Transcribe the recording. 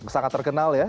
sangat terkenal ya